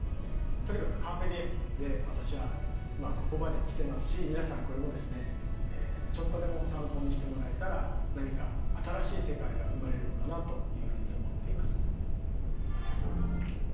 とにかく「カルペディエム」で私はここまで来てますし皆さんこれもですねちょっとでも参考にしてもらえたら何か新しい世界が生まれるのかなというふうに思っています。